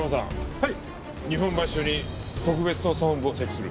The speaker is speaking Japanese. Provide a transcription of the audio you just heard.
はい。